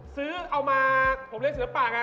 ซื้อเอามาผมเรียนศิลปะไง